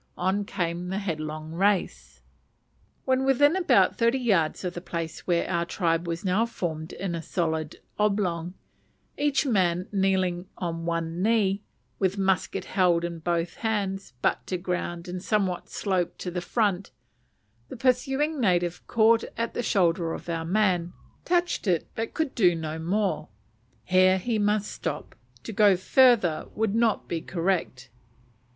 On came the headlong race. When within about thirty yards of the place where our tribe was now formed in a solid oblong, each man kneeling on one knee, with musket held in both hands, butt to ground, and somewhat sloped to the front, the pursuing native caught at the shoulder of our man, touched it, but could do no more. Here he must stop; to go farther would not be "correct."